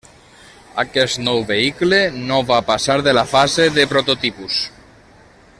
Aquest nou vehicle no va passar de la fase de prototipus.